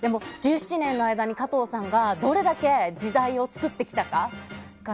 １７年の間に加藤さんがどれだけ時代を作ってきたか。